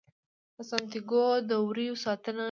سانتیاګو د وریو ساتنه کوي.